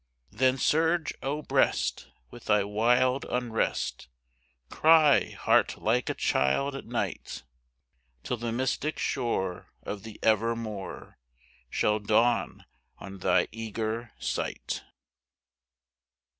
Then surge, O breast, with thy wild unrest Cry, heart, like a child at night, Till the mystic shore of the Evermore Shall dawn on thy eager sight.